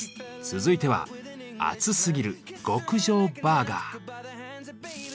続いては「アツすぎる！極上バーガー」。